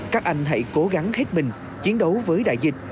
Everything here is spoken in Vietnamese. các anh hãy cố gắng hết mình chiến đấu với đại dịch